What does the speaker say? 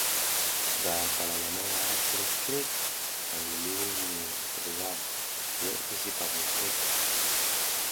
Dar palalama ara krǝc krǝc angi li mi pǝɗwar weʼe tisi pas miprik.